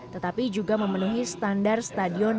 tetapi juga memenuhi standar stadion